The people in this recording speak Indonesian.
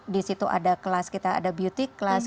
di situ ada kelas kita ada beauty class